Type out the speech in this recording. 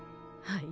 はい。